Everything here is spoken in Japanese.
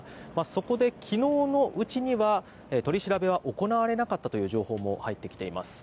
そこで昨日のうちには取り調べは行われなかったという情報も入ってきています。